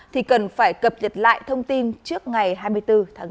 thì cần phải cập nhật lại thông tin trước ngày hai mươi bốn tháng bốn